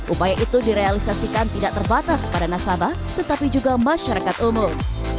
upaya itu direalisasikan tidak terbatas pada nasabah tetapi juga masyarakat umum